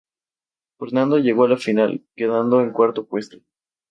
Fernando llegó a la final, quedando en cuarto puesto.